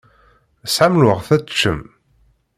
Tesɛam lweqt ad teččem?